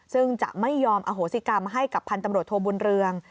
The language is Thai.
ซึ่งจะไม่ยอมอโหสิกรรมให้กับพันธุ์ตำรวจโทบุญเรือง